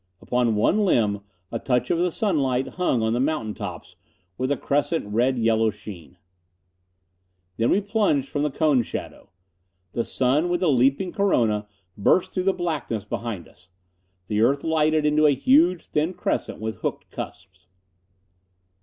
Upon one limb a touch of the sunlight hung on the mountain tops with a crescent red yellow sheen. And then we plunged from the cone shadow. The sun, with the leaping Corona, burst through the blackness behind us. The earth lighted into a huge, thin crescent with hooked cusps.